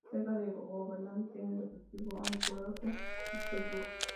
Juega de guardameta en el Deportivo Anzoátegui Sport Club.